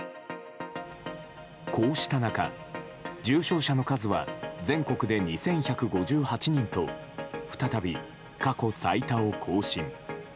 こうした中、重症者の数は全国で２１５８人と再び過去最多を更新。